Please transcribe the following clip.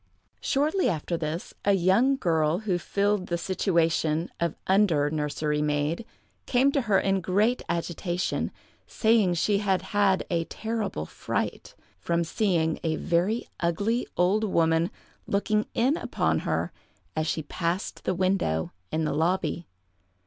Shortly after this, a young girl who filled the situation of under nursery maid, came to her in great agitation, saying that she had had a terrible fright, from seeing a very ugly old woman looking in upon her as she passed the window in the lobby.